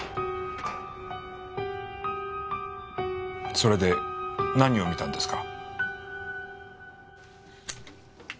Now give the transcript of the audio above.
それで何を見たんですか？